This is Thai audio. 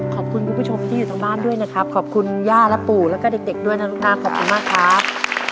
คุณผู้ชมที่อยู่ทางบ้านด้วยนะครับขอบคุณย่าและปู่แล้วก็เด็กด้วยนะลูกนะขอบคุณมากครับ